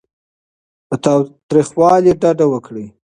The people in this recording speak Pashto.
له تاوتریخوالي ډډه وکړئ.